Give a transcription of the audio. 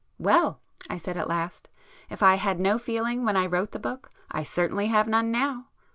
"Well!" I said at last—"If I had no feeling when I wrote the book, I certainly have none now.